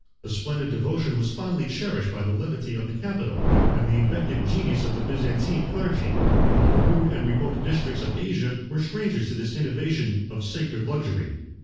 The splendid devotion was fondly cherished by the levity of the capital, and the inventive genius of the Byzantine clergy; while the rude and remote districts of Asia were strangers to this innovation of sacred luxury.